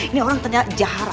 ini orang ternyata jahara